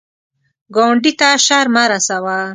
ګاونډي ته شر مه رسوه